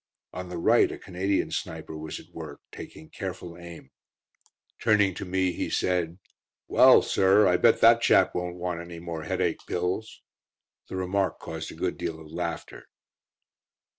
On the right a Canadian sniper was at work, taking careful aim. Turning to me, he said: "Wall, sir, I bet that chap won't want any more headache pills." The remark caused a good deal of laughter.